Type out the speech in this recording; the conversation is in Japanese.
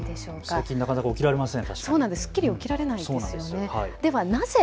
最近なかなか起きられません。